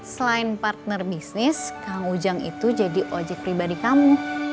selain partner bisnis kang ujang itu jadi ojek pribadi kamu